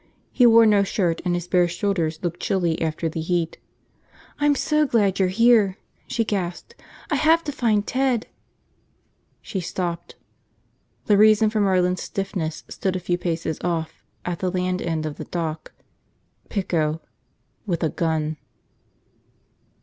He wore no shirt, and his bare shoulders looked chilly after the heat. "I'm so glad you're here!" she gasped. "I have to find Ted. ..." She stopped. The reason for Merlin's stiffness stood a few paces off, at the land end of the dock. Pico. With a gun.